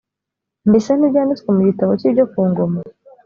mbese ntibyanditswe mu gitabo cy ibyo ku ngoma